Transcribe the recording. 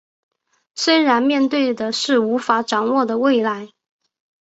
虽然面对的是无法掌握的未来